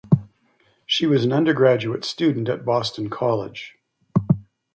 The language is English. She was an undergraduate student at Boston College.